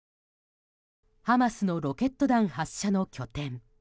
ハマスのロケット弾発射の拠点。